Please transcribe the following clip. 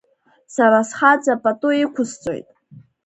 Сара схаҵа пату иқәысҵоит.